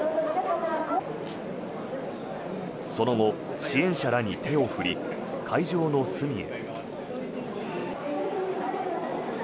その後、支援者らに手を振り会場の隅へ。